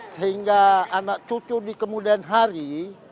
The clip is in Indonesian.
sehingga anak cucu di kemudian hari